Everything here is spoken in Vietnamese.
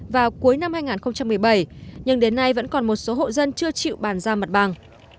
vào cuối năm hai nghìn một mươi bảy nhưng đến nay vẫn còn một số hộ dân chưa chịu bàn giao mặt bằng